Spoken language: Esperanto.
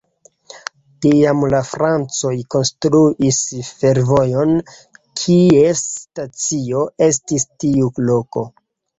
Tiam la francoj konstruis fervojon, kies stacio estis tiu loko.